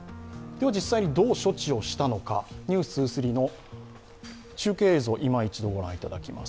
実際にどう処置したのか、「ｎｅｗｓ２３」の中継映像を今一度御覧いただきます。